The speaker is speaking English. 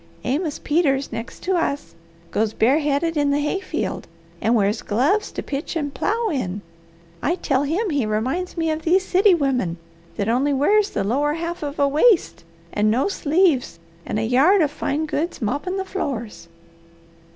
Amos Peters, next to us; goes bareheaded in the hay field, and wears gloves to pitch and plow in. I tell him he reminds me of these city women that only wears the lower half of a waist and no sleeves, and a yard of fine goods moppin' the floors.